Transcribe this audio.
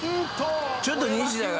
ちょっと西田がね